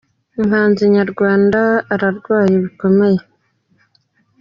Umuhanzi nyarwanda ararwaye bikomeye